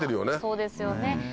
そうですよね。